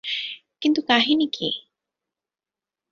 কিন্তু কাহিনী কী?